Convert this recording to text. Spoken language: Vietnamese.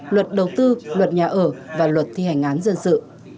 luật đầu tư luật nhà ở và luật thi hành án dân sự